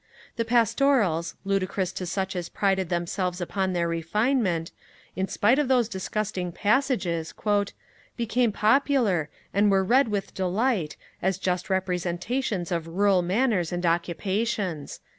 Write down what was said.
The Pastorals, ludicrous to such as prided themselves upon their refinement, in spite of those disgusting passages, 'became popular, and were read with delight, as just representations of rural manners and occupations.'